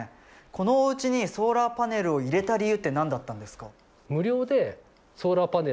このおうちにソーラーパネルを入れた理由って何だったんですか？